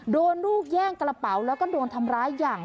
โดนลูกแย่งกระเป๋าแล้วก็โดนทำร้ายอย่าง